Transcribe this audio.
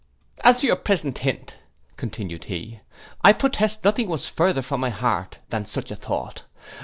'As to your present hint,' continued he, 'I protest nothing was farther from my heart than such a thought.